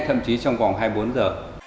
thậm chí trong vòng hai mươi bốn giờ